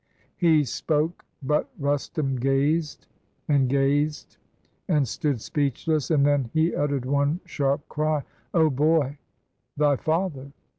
He spoke; but Rustum gaz'd, and gaz'd, and stood Speechless; and then he utter'd one sharp cry: 0 boy — thy father!